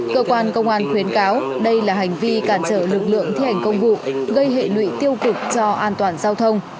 cơ quan công an khuyến cáo đây là hành vi cản trở lực lượng thi hành công vụ gây hệ lụy tiêu cực cho an toàn giao thông